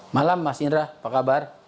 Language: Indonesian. malam mas indra apa kabar